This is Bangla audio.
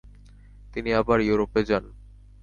তিনি আবার ইউরোপে যান।